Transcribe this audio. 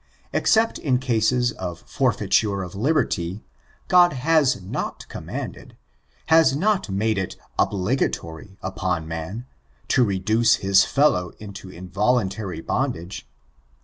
Except in cases of forfeiture of liberty, God has not commanded— has not made it obligatory upon man, to reduce his fellow to involuntary bondage.